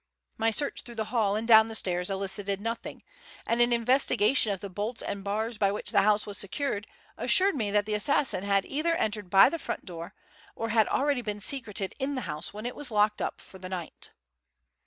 My search through the hall and down the stairs elicited nothing; and an investigation of the bolts and bars by which the house was secured, assured me that the assassin had either entered by the front door, or had already been secreted in the house when it was locked up for the night.